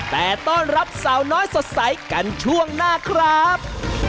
แต่ต้อนรับสาวน้อยสดใสกันช่วงหน้าครับ